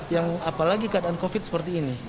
yang apalagi keadaan covid sembilan belas seperti ini